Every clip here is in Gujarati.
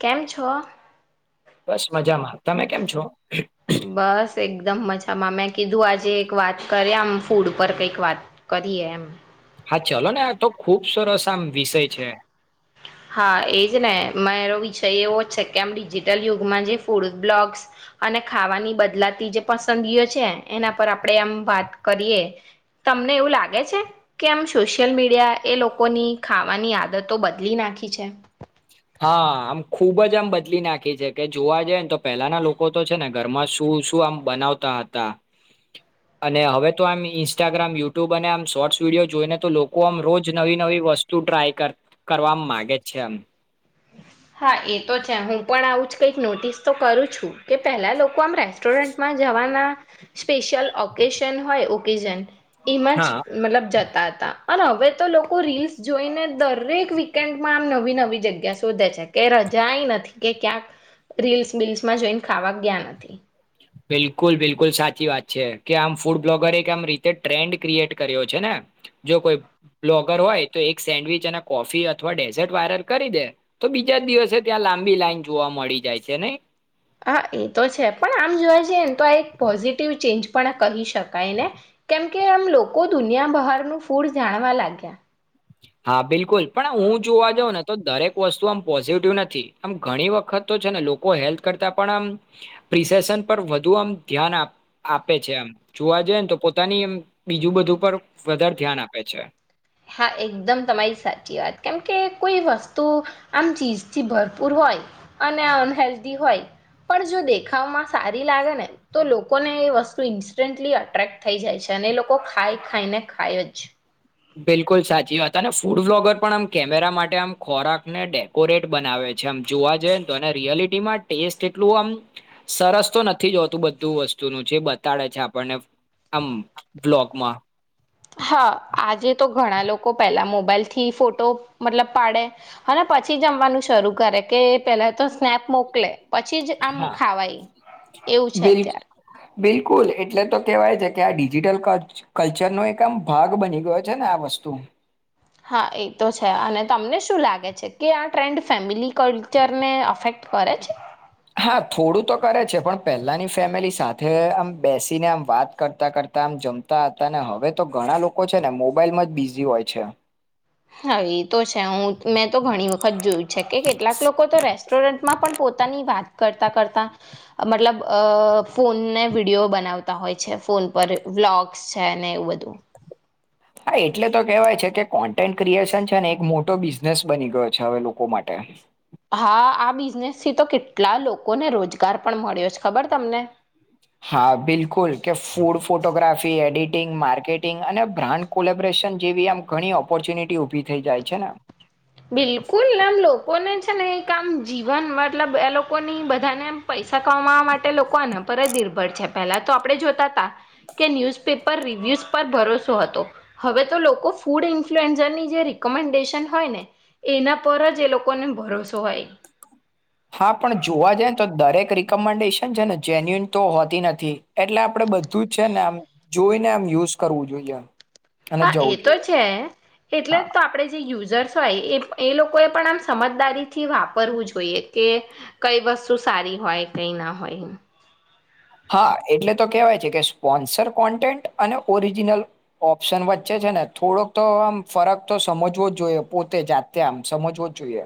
કેમ છો? બસ મજામાં. તમે કેમ છો? બસ. એકદમ મજામાં. મેં કીધું આજે એક વાત કરી આમ ફૂડ પર કઈક વાત કરીએ એમ. હા, ચાલો ને, આ તો ખુબ સરસ આમ વિષય છે. હા, એજ ને મારો વિષય એવો જ છે કે આમ ડિજિટલ યુગમાં જે ફૂડ બ્લોગ્સ અને ખાવાની બદલાતી જે પસંદગીઓ છે એના પર આપણેે એમ વાત કરીએ. તમને એવું લાગે છે કે આમ સોશિયલ મીડિયા એ લોકોની ખાવાની આદતો બદલી નાખી? પખી છે. હા, આમ ખુબ જ આમ બદલી નાખી છે કે જોવા જાય ને તો પહેલાના લોકો તો છે ને ઘરમાં શું શું આમ બનાવતા હતા. અને હવે, તો આમ ઇન્સ્ટાગ્રામ, યુટ્યુબ અને આમ શોર્ટસ વિડીયો જોઈને તો લોકો આમ રોજ નવી નવી વસ્તુ ટ્રાય કરવા માગે જ છે આમ. હા, એ તો છે. હું પણ આવું જ કઈક નોટિસ તો કરું છું કે પહેલા લોકો તું આમ રેસ્ટોરન્ટમાં જવાના? સ્પેશિયલ ઓકેશન હોય, ઓકેજન. ઇમજ હા મતલબ જતાત હવે, તો લોકો રીલ્સ જોઈને દરેક વીકેન્ડમાં આમ નવી નવી જગ્યા શોધે છે કે રજા નથી કે ક્યાંક રીલ્સ-બીલ્સમાં જોઈને ખાવા ગયા નથી. બિલકુલ, બિલકુલ સાચી વાત છે કે આમ ફૂડ બ્લોગર આમ રીતે ટ્રેન્ડ ક્રિએટ કર્યો છે ને. જો કોઈ બ્લોગર હોય તો એક સેન્ડવીચ, અને કોફી અથવા ડેઝર્ટ વાયરલ કરી દે તો બીજા દિવસે ત્યાં લાંબી લાઈન જોવા મળી જાય છે, નઈ? હા, એ તો છે, પણ આમ જોવા જઈએ ને તો આ એક પોઝિટિવ ચેન્જ પણ કહી શકાય ને, કેમકે આમ લોકો દુનિયા બહારનું ફૂડ જાણવા લાગ્યા. હા, બિલકુલ, પણ હું જોવા જાઉં ને તો દરેક વસ્તુ આમ પોઝિટિવ નથી. આમ ઘણી વખત તો છે ને લોકો હેલ્થ કરતા પણ આમ પ્રિસેેશન પર વધુ આમ ધ્યાન આપે છે. એમ જોવા જઈએ ને તો પોતાની એમ બીજું બધું પર વધારે ધ્યાન આપે છે. હા, એકદમ તમારી સાચી વાત, કેમ કે કોઈ વસ્તુ આમ ચીજથી ભરપૂર હોય અને અનહેલ્ધી હોય, પણ જો દેખાવમાં સારી લાગે ને તો લોકોને એ વસ્તુ ઇન્સ્ટન્ટલી અટ્રેક્ટ થઈ જાય છે અને એ લોકો ખાય ખાઈને ખાય જ. બિલકુલ સાચી વાત. અને ફૂડ બ્લોગર પણ આમ કેમેરા માટે આમ ખોરાક ને ડેકોરેટ બનાવે છે. આમ જોવા જઈએ ને તો રિયાલિટીમાં ટેસ્ટ એટલું આમ સરસ તો નથી જોતું બધું વસ્તુનું જે બતાડે છે આપણને. આમ, બ્લોકમાં. હા આજે તો ઘણા લોકો પેલા મોબાઈલ થી ફોટો મતલબ પાડે, અને પછી જમવાનું શરૂ કરે કે પેલા તો સ્નેપ મોકલે. પછી જ આમ હા ખાવાય એવું છે બિલ અત્યારે બિલકુલ, એટલે તો કેહેવાય છે કે આ ડિજિટલ કલ્ચરનો એક આમ ભાગ બની ગયો છે ને આ વસ્તુ. હા, એ તો છે. અને તમને શું લાગે છે કે આ ટ્રેન્ડ ફેમિલી કલ્ચરને અફેક્ટ કરે છે? હા થોડું તો કરે છે, પણ પહેલાની ફેમિલી સાથે આમ બેસીને આમ વાત કરતા કરતા આમ જમતા હતા ને. હવે તો ઘણા લોકો છે ને મોબાઈલમાં જ બિઝી હોય છે. હા, એ તો છે. હું મેં તો ઘણી વખત જોયું છે કે કેટલાક લોકો તો રેસ્ટોરન્ટમાં પણ પોતાની વાત કરતા કરતા, મતલબ અ ફોનને વિડીયો બનાવતા હોય છે, ફોન પર વ્લોગ્સ છે એવું બધું. હા, એટલે તો કેહેવાય છે કે કોન્ટેન્ટ ક્રિએશન છે ને એક મોટો બિઝનેસ બની ગયો છે. હવે, લોકો માટે. હા, આ બિઝનેસથી તો કેટલા લોકોને રોજગાર પણ મળ્યો છે, ખબર તમને? હા, બિલકુલ. કે ફૂડ ફોટોગ્રાફી, એડિટિંગ, માર્કેટિંગ અને બ્રાન્ડ કોલેબરેશન જેવી આમ ઘણી ઓપોર્ચ્યુનિટી ઉભી થઈ જાય છે ને. બિલકુલ, આમ લોકો ને છે ને કામ જીવન મતલબ એ લોકો ની બધાને પૈસા સાક માટે લોકોને પર જ નિર્ભર છે પહેલા તો આપણે જોતા હતા કે ન્યૂઝપેપર રિવ્યુઝ પર ભરોસો હતો હવે તો લોકો ફૂડ ઇન્ફલુએન્ઝરની જે રિકમેન્ડેશન હોય ને એના પર જ એ લોકોને ભરોસો હોય હા પણ જોવા જાય ને તો દરેક રિકમેન્ડેશન છે ને જેન્યુન તો હોતી નથી એટલે આપડે બધું જ છે ને આમ જોઈને આમ યુઝ કરવું જોઈએમ હા એ તો છે એટલે હા તો આપણેે જે યુઝર્સ હોય એ એ લોકોએ પણ આમ સમજદારીથી વાપરવું જોઈએ કે કઈ વસ્તુ સારી હોય કઈ ના હોય હા એટલે તો કેહેવાય છે કે સ્પોન્સર કોન્ટેન્ટ અને ઓરિજિનલ ઓપ્શન વચ્ચે છે ને થોડોક તો આમ ફરક તો સમજવો જ જોઈએ પોતે જાતે આમ સમજવો જ જોઈએ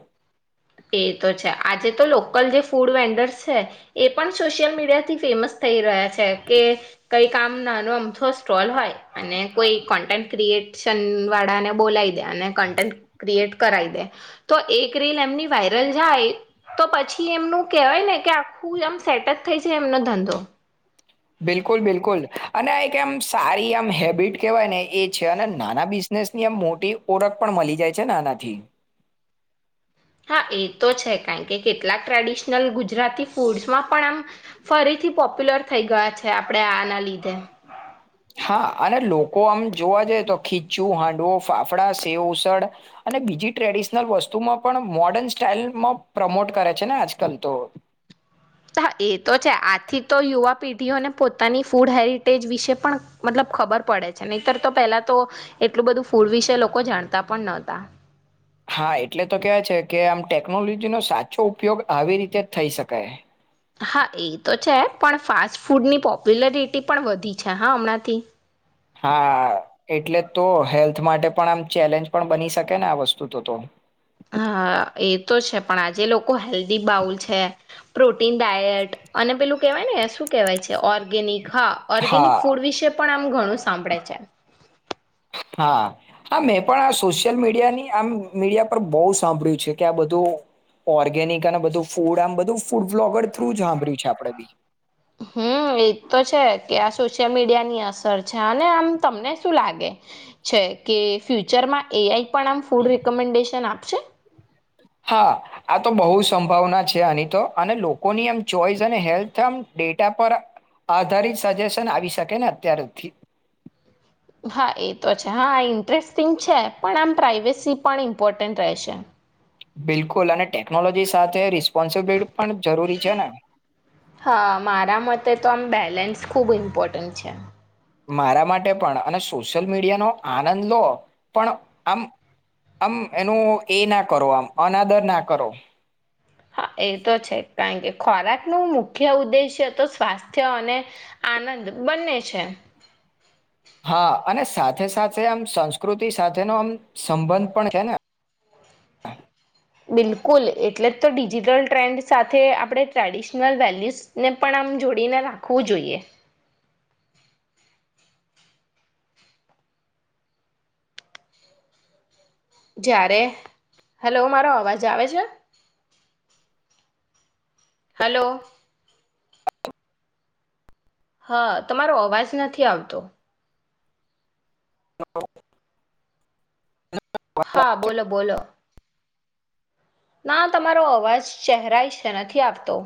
એ તો છે આજે તો લોકલ જે ફૂડ વેન્ડર્સ છે એ પણ સોશિયલ મીડિયાથી ફેમસ થઈ રહ્યા છે કે કઈ કામ નાનો અમથો સ્ટોલ હોય અને કોઈ કન્ટેન્ટ ક્રિએશન વાળાને બોલાવી દે અને કન્ટેન્ટ ક્રિએટ કરાવી દે તો એક રીલ એમની વાયરલ જાય તો પછી એમનું કેહેવાય ને કે આખું આમ સેટ જ થઈ છે એમનો ધંધો બિલકુલ બિલકુલ અને આ એક એમ સારી આમ હેબિટ કેહેવાય ને એ છે અને નાના બિઝનેસની આમ મોટી ઓરખ પણ મળી જાય છે ને આનાથી હા એ તો છે કારણ કે કેટલાક ટ્રેડિશનલ ગુજરાતી ફૂડસમાં પણ આમ ફરીથી પોપ્યુલર થઈ ગયા છે આપડે આના લીધે હા અને લોકો આમ જોવા જઈએ તો ખીચું હાંડવો ફાફડા સેવ ઉસળ અને બીજી ટ્રેડિશનલ વસ્તુમાં પણ મોર્ડર્ન સ્ટાઈલમાં પ્રમોટ કરે છે ને આજકાલ તો હા એ તો છે આથી તો યુવા પેઢીઓને પોતાની ફૂડ હેરિટેજ વિશે પણ મતલબ ખબર પડે છે નહીતર તો પેલા તો એટલું બધું ફૂડ વિશે લોકો જાણતા પણ નતા. હા એટલે તો કેહેવાય છે કે આમ ટેકનોલોજીનો સાચો ઉપયોગ આવી રીતે થઈ શકાય. હા એ તો છે પણ ફાસ્ટ ફૂડની પોપ્યુલરિટી પણ વધી છે હા હમણાંથી હા એટલે તો હેલ્થ માટે પણ આમ ચેલેન્જ પણ બની શકે ને આ વસ્તુ તો તો હ એ તો છે પણ આજે લોકો હેલ્ધી બાઉલ છે પ્રોટીન ડાયટ અને પેલું કેહેવાય ને શું કેહેવાય છે ઓર્ગેનિક હા ઓર્ગેનિક હા, ફૂડ વિશે પણ આમ ઘણું સાંભળે છે. હા હા મેં પણ આ સોશિયલ મીડિયાની આમ મીડિયા પર બહુ સાંભળ્યું છે કે આ બધું ઓર્ગેનિક અને બધું ફૂડ આમ બધું ફૂડ બ્લોગર થ્રુ સાંભર્યું છે આપડે બી હમ એ તો છે કે આ સોશિયલ મીડિયાની અસર છે અને આમ તમને શું લાગે છે કે ફ્યુચરમાં એ આઈ પણ આ ફૂડ રેમેન્ડેશન આપ હા આ તો બહુ સંભાવના છે આની તો અને લોકોની આમ ચોઈસ અને હેલ્થ આમ ડેટા પર આધારિત સજેશન આવી શકે ને અત્યાર સુથી હા એ તો છે હા ઇન્ટરેસ્ટિંગ છે પણ આમ પ્રાઇવેસી પણ ઇમ્પોર્ટન્ટ રહેશે. બિલકુલ અને ટેકનોલોજી સાથે રિસ્પોન્સિબિલિટી પણ જરૂરી છે ને હા મારા મતે તો આમ બેલેન્સ ખૂબ ઇમ્પોર્ટન્ટ છે. મારા માટે પણ અને સોશિયલ મીડિયાનો આનંદ લો પણ આમ આમ એનું એ ના કરો આમ અનાદર ના કરો. હા એ તો છે કઈ કે ખોરાક ન મુખ્ય ઉદ્દેશ્ય તો સ્વાસ્થ્ય અને આનંદ બને છે. હા અને સાથે સાથે આમ સંસ્કૃતિ સાથેનો આમ સંબંધ પણ છે ને. બિલકુલ એટલે જ તો ડિજિટલ ટ્રેન્ડ સાથે આપણે ટ્રેડિશનલ વેલ્યુસને પણ આમ જોડીને રાખવું જોઈએ. જ્યારે હેલો મારો અવાજ આવે છે. હલો. હા તમારો અવાજ નથી આવતો. ન હા બોલો બોલો. ના તમારો અવાજ ચહેરાઈ નથી આવતો.